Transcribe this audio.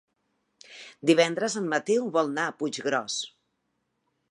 Divendres en Mateu vol anar a Puiggròs.